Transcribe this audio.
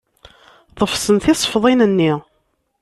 Ḍefsen tisefḍin-nni.